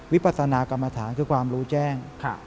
วิปัสนากรรมฐานคือความรู้แจ้ง